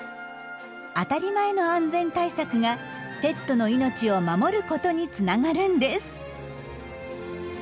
当たり前の安全対策がペットの命を守ることにつながるんです。